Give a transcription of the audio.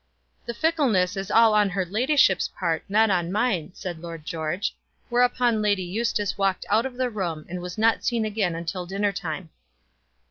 "The fickleness is all on her ladyship's part, not on mine," said Lord George; whereupon Lady Eustace walked out of the room and was not seen again till dinner time.